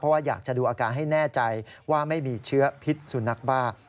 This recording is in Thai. เพราะว่าอยากจะดูอาการให้แน่ใจว่าไม่มีเชื้อพิษสุนัขบ้า